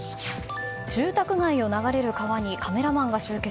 住宅街を流れる川にカメラマンが集結。